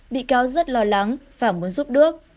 bị cáo rất lo lắng và muốn giúp đức